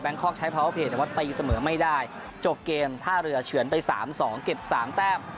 แบงค์คอร์กใช้แต่ว่าตีเสมอไม่ได้จบเกมห้าเรือเฉือนไปสามสองเก็บสามแต้ม